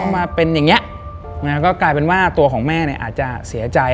มาเป็นอย่างนี้ก็กลายเป็นว่าตัวของแม่เนี่ยอาจจะเสียใจ